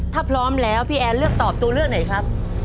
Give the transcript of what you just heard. ถ้าพร้อมแล้วพี่แอนเลือกตอบตัวเลือกไหนครับ